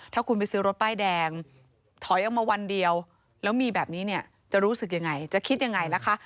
ถ้าคุณไปซื้อรถป้ายแดงถอยออกมาวันเดียวแล้วมีแบบนี้เนี่ยจะรู้สึกยังไงจะคิดยังไงนะคะ